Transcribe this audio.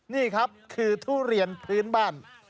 นี่ครับคือทุเรียนพื้นบ้าน